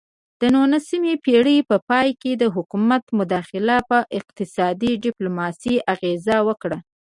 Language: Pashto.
د نولسمې پیړۍ په پای کې د حکومت مداخله په اقتصادي ډیپلوماسي اغیزه وکړه